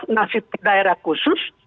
nasib daerah khusus